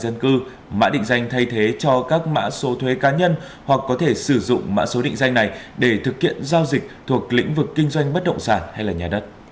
theo dự thảo thông tư mã định danh thay thế cho các mã số thuế cá nhân hoặc có thể sử dụng mã số định danh này để thực hiện giao dịch thuộc lĩnh vực kinh doanh bất động sản hay là nhà đất